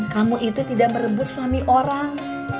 kamu itu tidak merebut suami orang